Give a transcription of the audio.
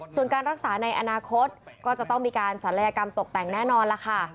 ส่วนการรักษาในอนาคตก็จะต้องมีการศัลยกรรมตกแต่งแน่นอนล่ะค่ะ